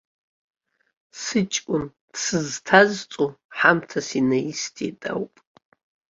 Сыҷкәын дсызҭазҵо ҳамҭас инаисҭеит ауп.